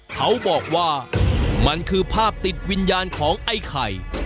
เขาบอกว่ามันคือภาพติดวิญญาณของไอ้ไข่